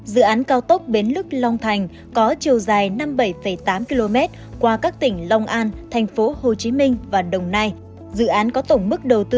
dự án cao tốc bến lức long thành có chiều dài năm km